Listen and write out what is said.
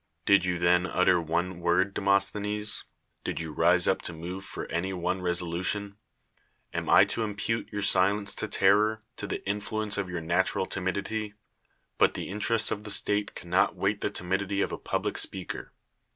Did you then uttei one word, Demosthenes? Did you rise up t;) move for any one resolution ? Am I to imi)ute your silence to terror — to the influence of your natural timidity? But the intt^'osts of the state cannot wait the timidity of a ]>ul)lic speaker.